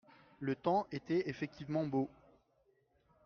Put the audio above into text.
Le temps était effectivement beau.